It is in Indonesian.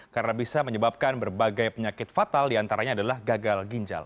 karena bisa menyebabkan berbagai penyakit fatal diantaranya adalah gagal ginjal